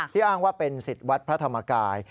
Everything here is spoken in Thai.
อ้างว่าเป็นสิทธิ์วัดพระธรรมกาย